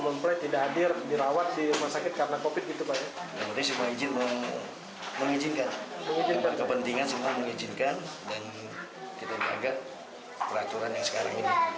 sementara itu pihak rumah sakit darurat wisma atlet mendukung penuh prosesi pernikahan ini